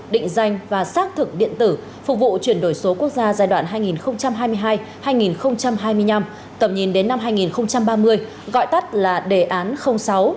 định danh và xác thực điện tử phục vụ chuyển đổi số quốc gia giai đoạn hai nghìn hai mươi hai hai nghìn hai mươi năm tầm nhìn đến năm hai nghìn ba mươi gọi tắt là đề án sáu